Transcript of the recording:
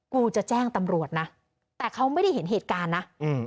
กูจะแจ้งตำรวจนะแต่เขาไม่ได้เห็นเหตุการณ์นะ